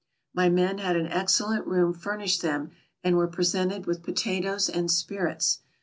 My men had an excellent room fur nished them, and were presented with potatoes and spirits.